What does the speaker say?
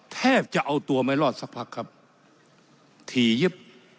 แทบจะเอาตัวไม่รอดสักพักครับถี่ยิบ